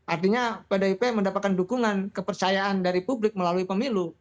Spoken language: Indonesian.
artinya pdip mendapatkan dukungan kepercayaan dari publik melalui pemilu